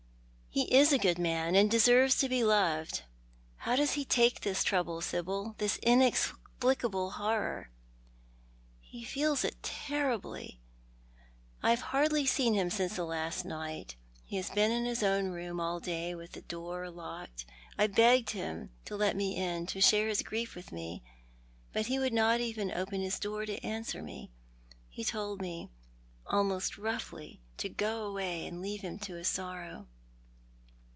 " He is a good man, and deserves to be loved. How does he take this trouble, Sibyl— this inexplicable horror ?" "He feels it terribly. I have hardly seen him since last night. He has been in his own room all day with the door locked. I begged him to let me in, to share his grief with me; but he would not even open his door to answer me. He told me— almost roughly— to go away and leave him to his sorrow.